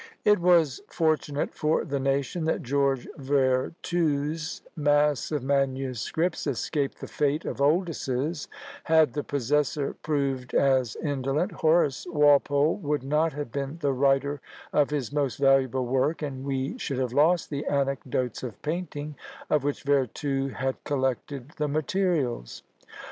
It was fortunate for the nation that George Vertue's mass of manuscripts escaped the fate of Oldys's; had the possessor proved as indolent, Horace Walpole would not have been the writer of his most valuable work, and we should have lost the "Anecdotes of Painting," of which Vertue had collected the materials.